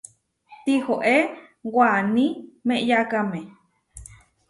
Tihoé waní meʼyákame.